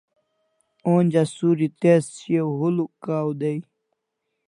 Onja suri tez shiaw huluk kaw day